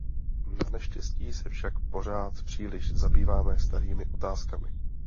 Naneštěstí se však pořád příliš zabýváme starými otázkami.